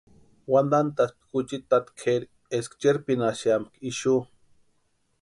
Wantantʼaspti juchiti táti kʼéri eska cherpinhasïampka ixu.